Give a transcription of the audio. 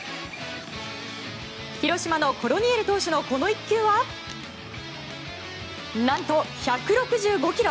広島のコルニエル投手のこの１球はなんと１６５ｋｍ。